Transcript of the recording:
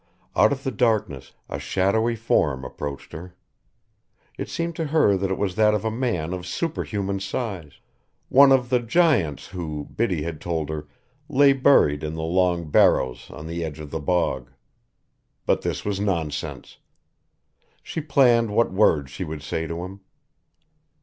Out of the darkness a shadowy form approached her. It seemed to her that it was that of a man of superhuman size one of the giants who, Biddy had told her, lay buried in the long barrows on the edge of the bog. But this was nonsense. She planned what words she would say to him.